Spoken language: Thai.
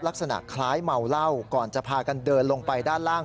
ลักษณะคล้ายเมาเหล้าก่อนจะพากันเดินลงไปด้านล่าง